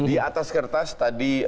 di atas kertas tadi